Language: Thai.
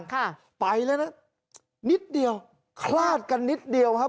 ค่ะไปแล้วนะนิดเดียวคลาดกันนิดเดียวครับ